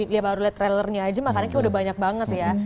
di baru liat trailernya aja makannya kayak udah banyak banget ya